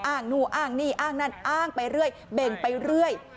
อ้างนู่นอ้างนี่อ้างนั่นอ้างไปเรื่อยเบ่งไปเรื่อย